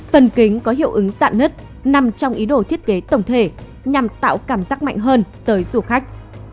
phần kính có hiệu ứng dạ nứt nằm trong ý đồ thiết kế tổng thể nhằm tạo cảm giác mạnh hơn tới du khách